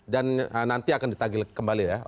dan nanti akan ditanggil kembali ya